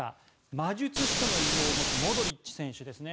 魔術師の異名を持つモドリッチ選手ですね。